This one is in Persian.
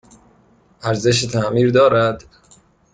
ارزش تعمیر دارد؟